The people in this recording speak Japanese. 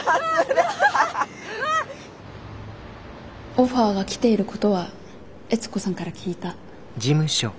オファーが来ていることは悦子さんから聞いた。